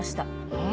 うん！